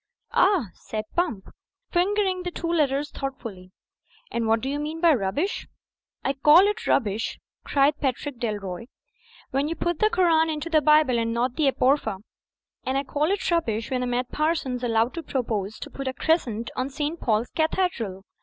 "Ah," said Pump, fingering the two letters thought fully, "And what do you mean by rubbish?" Digitized by CjOOQ IC THE INN FINDS WINGS 45 "I carl it rubbish" cried Patrick Dalroy, "when ye put the Koran into the Bible and not the Apocr)rpha; and I carl it rubbish when a mad parson's allowed to propose to put a crescent on St. Paul's Cathedral.